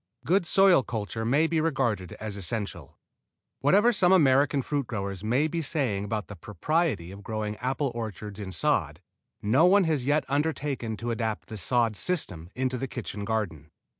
Good soil culture may be regarded as essential. Whatever some American fruit growers may be saying about the propriety of growing apple orchards in sod, no one has yet undertaken to adapt the sod system into the kitchen garden.